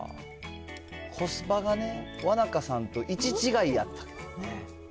コスパがね、わなかさんと１違いやったもんね。